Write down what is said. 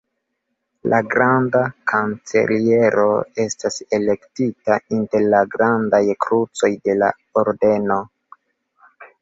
La granda kanceliero estas elektita inter la grandaj krucoj de la ordeno.